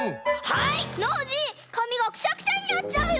ノージーかみがクシャクシャになっちゃうよ！